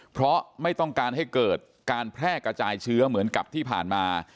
เพราะไม่ต้องการให้เกิดการแพร่กระจายเชื้อเหมือนกับที่ผ่านมา